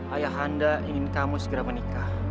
ayah anda ingin kamu segera menikah